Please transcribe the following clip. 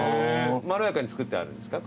まろやかに作ってあるんですか？